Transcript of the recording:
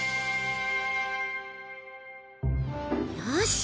よし！